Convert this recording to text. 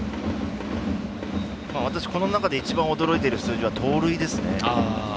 この中でいちばん驚いている数字は盗塁ですね。